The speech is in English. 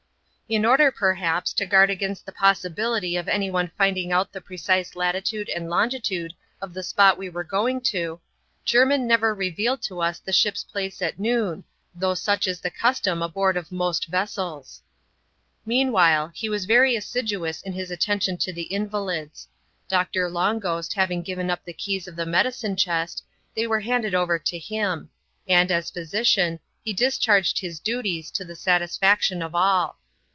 la order, perhapSy to guard against t\ift ^osiaVcKJXV:^ ^i «a^ CHAP. IX.] WE STEER TO THE WESTWARD. 35 one finding out the precise latitude and longitude of the spot we were going to, Jermin never revealed to us the ship's place at noon, though such is the custom aboard of most vessels. Meanwhile, he was very assiduous in his attention to the invalids. Doctor Long Ghost having given up the keys of the medicine chest, they were handed over to him ; and, as phy sician, he discharged his duties to the satisfaction of all.